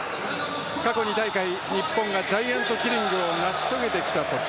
過去２大会日本がジャイアントキリングを成し遂げてきた土地。